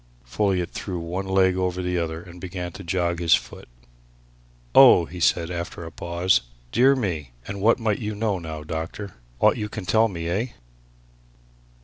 Folliot threw one leg over the other and began to jog his foot. "Oh!" he said after a pause. "Dear me! And what might you know, now, doctor? Aught you can tell me eh?"